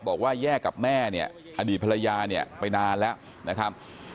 บอกว่าแยกกับแม่เนี่ยอดีตภรรยาเนี่ยไปนานแล้วนะครับ